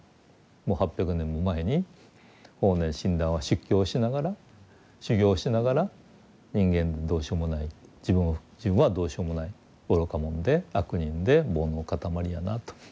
もう８００年も前に法然親鸞は出家をしながら修行をしながら人間どうしようもない自分はどうしようもない愚か者で悪人で煩悩の固まりやなと。